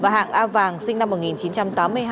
và hạng a vàng sinh năm một nghìn chín trăm tám mươi hai